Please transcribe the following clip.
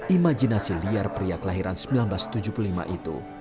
imajinasi liar pria kelahiran seribu sembilan ratus tujuh puluh lima itu